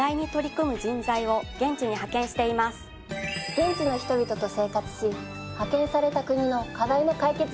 現地の人々と生活し派遣された国の課題の解決に貢献するんですね！